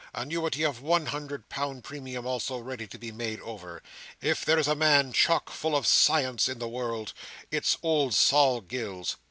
Annuity of one hundred pound premium also ready to be made over. If there is a man chock full of science in the world, it's old Sol Gills.